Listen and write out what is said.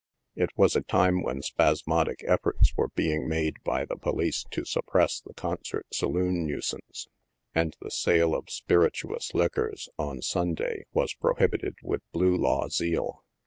It was a time when spasmodic efforts were being made by the police to suppress the concert saloon nuisance, and the sale of spirituous liquors, on Sunday, was prohibited with blue law zeal.